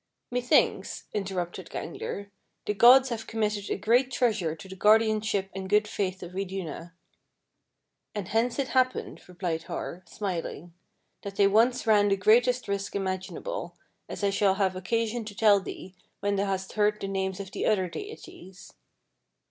"Methinks," interrupted Gangler, "the gods have committed a great treasure to the guardianship and good faith of Iduna." "And hence it happened," replied Har, smiling, "that they once ran the greatest risk imaginable, as I shall have occasion to tell thee when thou hast heard the names of the other deities.